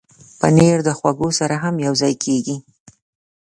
پنېر د خواږو سره هم یوځای کېږي.